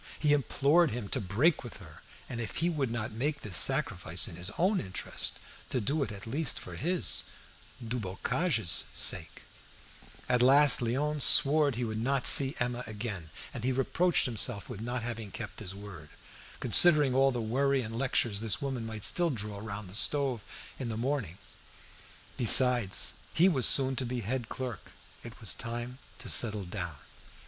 He implored him to break with her, and, if he would not make this sacrifice in his own interest, to do it at least for his, Dubocage's sake. At last Léon swore he would not see Emma again, and he reproached himself with not having kept his word, considering all the worry and lectures this woman might still draw down upon him, without reckoning the jokes made by his companions as they sat round the stove in the morning. Besides, he was soon to be head clerk; it was time to settle down.